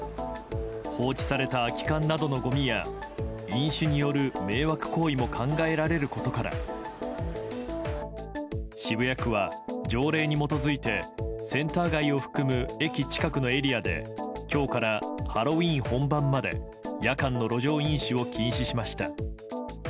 放置された空き缶などのごみや飲酒による迷惑行為も考えられることから渋谷区は条例に基づいてセンター街を含む駅近くのエリアで今日から、ハロウィーン本番まで夜間の路上飲酒を禁止しました。